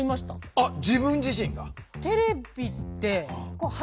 あっ自分自身が？